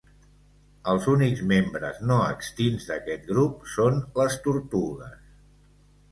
Els únics membres no extints d'aquest grup són les tortugues.